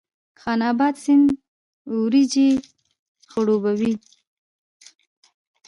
خان اباد سیند وریجې خړوبوي؟